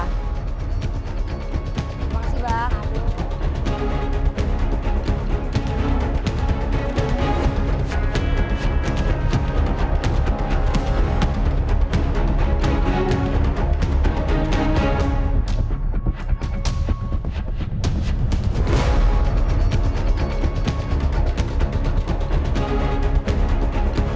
terima kasih mbak